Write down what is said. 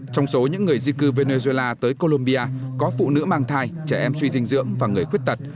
trong số những người di cư venezuela tới colombia có phụ nữ mang thai trẻ em suy dinh dưỡng và người khuyết tật